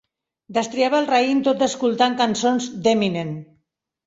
Destriava el raïm tot escoltant cançons d'Eminem.